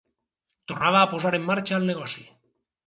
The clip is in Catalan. Tornava a posar en marxa el negoci.